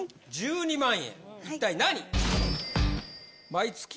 一体何？